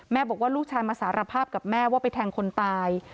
บอกว่าลูกชายมาสารภาพกับแม่ว่าไปแทงคนตาย